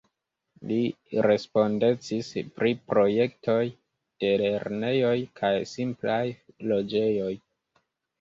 Li respondecis pri projektoj de lernejoj kaj simplaj loĝejoj.